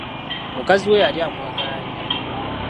Mukazi we yali amwagala nnyo.